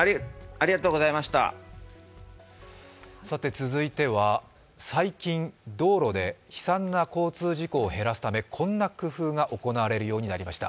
続いては最近、道路で悲惨な交通事故を減らすためこんな工夫が行われるようになりました。